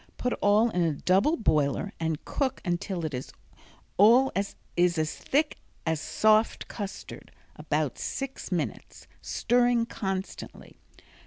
Put all in a double boiler and cook until it all is as thick as soft custard (about six minutes), stirring constantly.